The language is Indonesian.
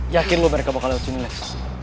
yakin lo mereka bakal lewat sini lex